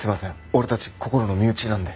俺たちこころの身内なんで。